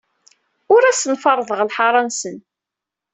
Ur asen-ferrḍeɣ lḥaṛa-nsen.